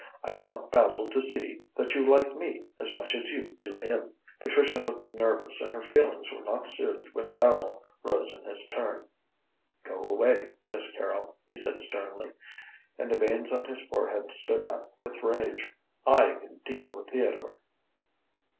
"I want Basil to see that you like me as much as you do him." Patricia looked nervous and her feelings were not soothed when Basil rose in his turn. "Go away, Miss Carrol," he said sternly, and the veins on his forehead stood out with rage. "I can deal with Theodore."